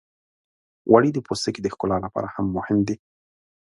غوړې د پوستکي د ښکلا لپاره هم مهمې دي.